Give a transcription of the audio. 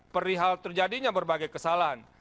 perihal terjadinya berbagai kesalahan